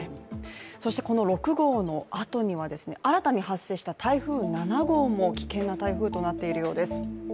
この６号のあとには、新たに発生した台風７号も危険な台風となっているようです。